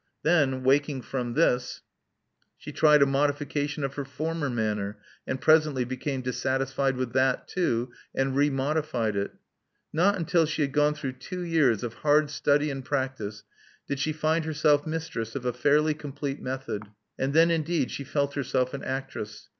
Then, waking from this, she tried a modification of her former manner, and presently became dissatisfied with that too, and remodified it. Not until she had gone through two years of hard study and practice did she find herself mistress of a fairly complete method ; and then indeed she felt herself an actress.